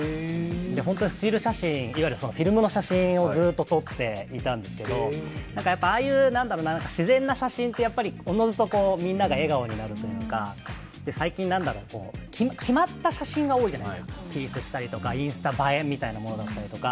本当にスチール写真、フィルムの写真をずっと撮っていたんですけどああいう自然な写真っておのずとみんなが笑顔になるというか最近、決まった写真は多いじゃないですか、ピースしたりとか、インスタ映えだったりとか。